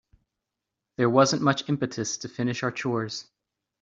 There wasn't much impetus to finish our chores.